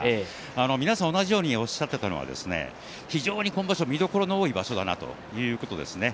皆さん同じようにおっしゃっていたのは非常に今場所、見どころの多い場所だということです。